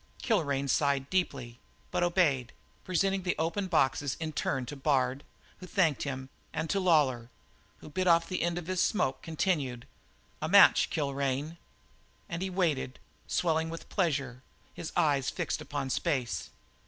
Kilrain sighed deeply, but obeyed, presenting the open boxes in turn to Bard, who thanked him, and to Lawlor, who bit off the end of his smoke continued: "A match, Kilrain." And he waited, swelling with pleasure, his eyes fixed upon space.